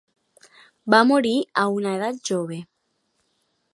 Va morir a una edat jove.